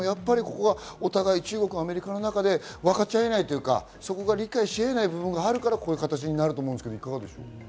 お互い、中国、アメリカの中で分かち合えない、理解し合えない部分があるからこういう形になると思いますが、いかがでしょう？